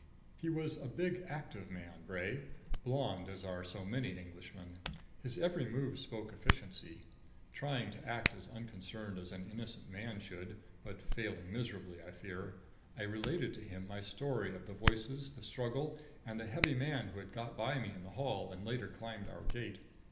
He was a big active man Bray; blond as are so many Englishmen. His every move spoke efficiency. Trying to act as unconcerned as an innocent man should but failing miserably, I fear I related to him my story of the voices, the struggle, and the heavy man who had got by me in the hall and later climbed our gate.